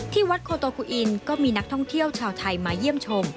ที่วัดโคโตคูอินก็มีนักท่องเที่ยวชาวไทยมาเยี่ยมชม